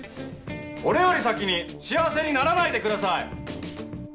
俺より先に幸せにならないでください！